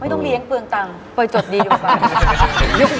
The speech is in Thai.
ไม่ต้องเลี้ยงเบืองจังปล่อยจดดีอยู่กัน